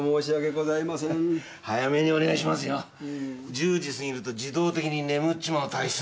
１０時過ぎると自動的に眠っちまう体質なんで。